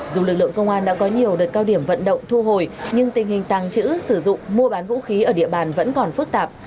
dù lực lượng công an đã có nhiều đợt cao điểm vận động thu hồi nhưng tình hình tàng trữ sử dụng mua bán vũ khí ở địa bàn vẫn còn phức tạp